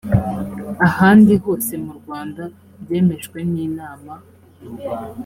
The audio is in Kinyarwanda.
ahandi hose mu rwanda byemejwe n’inama